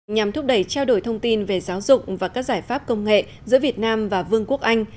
nhằm thúc đẩy trao đổi thông tin về giáo dục và các giải pháp công nghệ giữa việt nam và vương quốc anh